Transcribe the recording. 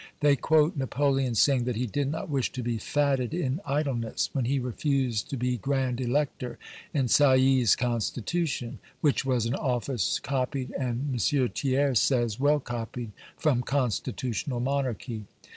They quote Napoleon's saying, "that he did not wish to be fatted in idleness," when he refused to be grand elector in Sieyes' Constitution, which was an office copied, and M. Thiers says, well copied, from constitutional monarchy.